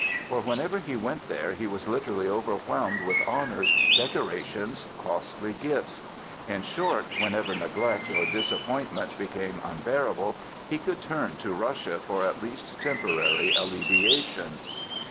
For whenever he went there he was literally overwhelmed with honors, decorations, costly gifts. In short, whenever neglect or disappointment became unbearable he could turn to Russia for at least temporary alleviation.